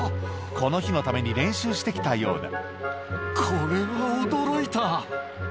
この日のために練習してきたようだ